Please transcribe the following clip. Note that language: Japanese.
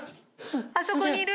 あそこにいる。